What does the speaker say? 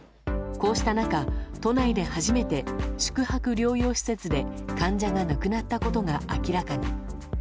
こうした中、都内で初めて宿泊療養施設で患者が亡くなったことが明らかに。